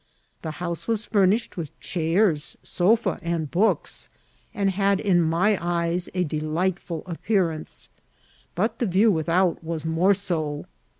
The house was furnished vnth chairs, sofe, and books, and had in my eyes a delightful appearance; but the view without was more so.